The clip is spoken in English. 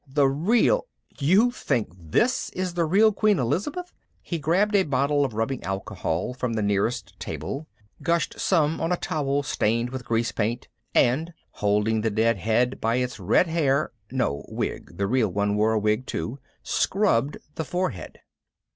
"The real You think this is the real Queen Elizabeth?" He grabbed a bottle of rubbing alcohol from the nearest table, gushed some on a towel stained with grease paint and, holding the dead head by its red hair (no, wig the real one wore a wig too) scrubbed the forehead.